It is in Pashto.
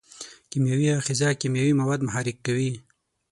کیمیاوي آخذه کیمیاوي مواد محرک کوي.